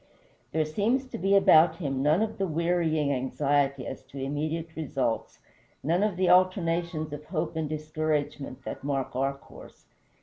There seems to be about him none of the wearying anxiety as to immediate results, none of the alternations of hope and discouragement that mark our course.